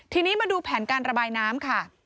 ทีนี้มาดูแผนการระบายน้ำค่ะ